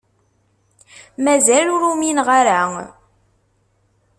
Mazal ur umineɣ ara.